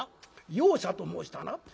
容赦と申したな。